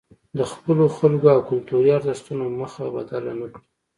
د خپلو خلکو او کلتوري ارزښتونو مخه بدله نکړي.